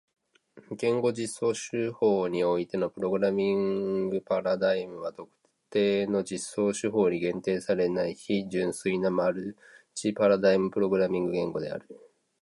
言語実装手法においてのプログラミングパラダイムは特定の実装手法に限定されない非純粋なマルチパラダイムプログラミング言語である。